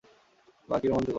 বাহ, কি রোমাঞ্চকর।